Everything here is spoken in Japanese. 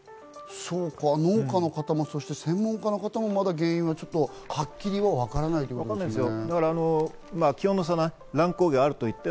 そうか、農家の方もそして専門家の方もまだ原因はちょっとはっきりはわからないってことですね。